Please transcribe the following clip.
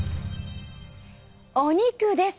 お肉です。